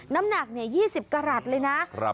น้ำหนักเนี่ย๒๐กรัตเลยนะ